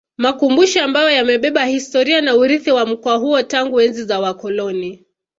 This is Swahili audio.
Makumbusho ambayo yamebeba historia na urithi wa mkoa huo tangu enzi za wakoloni